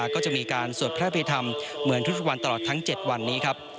ก็จะมีการสวดพระพิธรรมเหมือนทุกวันตลอดทั้ง๗วันนี้ครับ